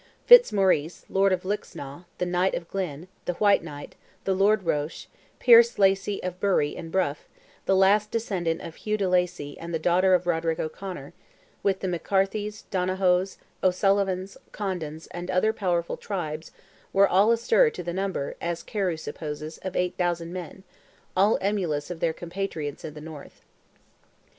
Fitzmaurice, Lord of Lixnaw, the Knight of Glynn, the White Knight, the Lord Roche, Pierce Lacy of Buree and Bruff, the last descendant of Hugh de Lacy and the daughter of Roderick O'Conor, with the McCarthys, O'Donohoes, O'Sullivans, Condons, and other powerful tribes, were all astir to the number, as Carew supposes, of 8,000 men, all emulous of their compatriots in the North.